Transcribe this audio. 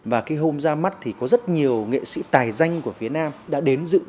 và cái hôm ra mắt thì có rất nhiều nghệ sĩ tài danh của phía nam đã đến dự